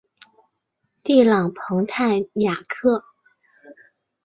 蒂朗蓬泰雅克。